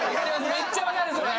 めっちゃ分かるそれ。